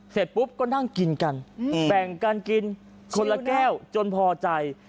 เสร็จปุ๊บก็นั่งกินกันแบ่งกันกินคนละแก้วจนพอใจ